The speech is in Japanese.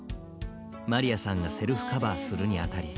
まりやさんがセルフカバーするにあたり